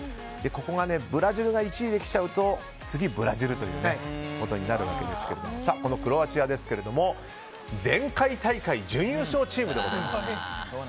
ブラジルが１位できちゃうと次、ブラジルということになるわけですがこのクロアチアですけれども前回大会、準優勝チームです。